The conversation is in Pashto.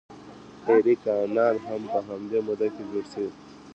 ایري کانال هم په همدې موده کې جوړ شو.